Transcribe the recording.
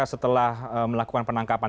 setelah melakukan penelitian